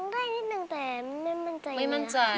ร้องได้นิดนึงแต่ไม่มั่นใจนะ